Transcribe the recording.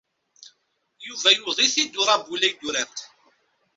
Yuba yewweḍ-it uṛabul ay d-turamt.